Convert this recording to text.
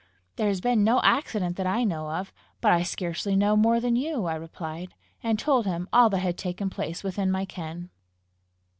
"There has been no accident that I know of. But I scarcely know more than you," I replied and told him all that had taken place within my ken.